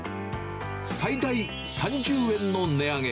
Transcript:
最大３０円の値上げ。